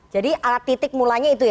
jadi titik mulanya itu ya